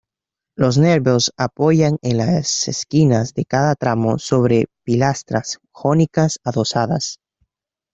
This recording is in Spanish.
Los nervios apoyan en las esquinas de cada tramo sobre pilastras jónicas adosadas.